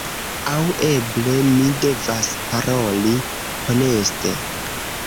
Aŭ eble mi devas paroli honeste: